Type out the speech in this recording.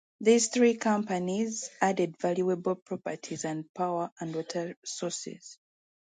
These three companies added valuable properties and power and water sources.